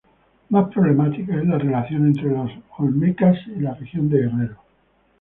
Más problemática es la relación entre los "olmecas" y la región de Guerrero.